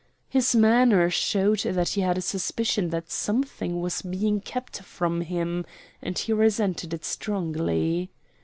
His manner showed that he had a suspicion that something was being kept from him, and he resented it strongly.